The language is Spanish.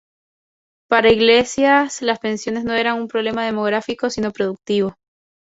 Para Iglesias, las pensiones no eran un problema demográfico sino productivo.